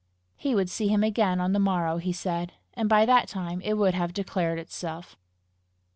He would see him again on the morrow, he said, and by that time it would have declared itself.